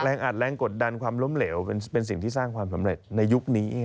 อัดแรงกดดันความล้มเหลวเป็นสิ่งที่สร้างความสำเร็จในยุคนี้